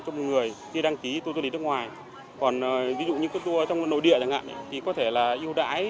cho một người khi đăng ký tù du lịch nước ngoài còn ví dụ như các tù ở trong nội địa thì có thể là ưu đãi